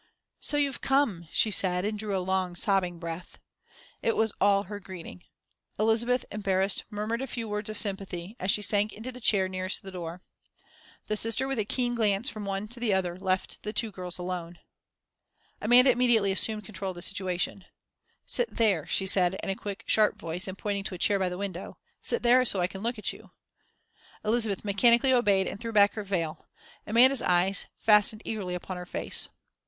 "So you've come," she said, and drew a long sobbing breath. It was all her greeting. Elizabeth, embarrassed, murmured a few words of sympathy, as she sank into the chair nearest the door. The Sister, with a keen glance from one to the other, left the two girls alone. Amanda immediately assumed control of the situation. "Sit there," she said, in a quick, sharp voice, and pointing to a chair by the window, "sit there so I can look at you." Elizabeth mechanically obeyed and threw back her veil. Amanda's eyes fastened eagerly upon her face.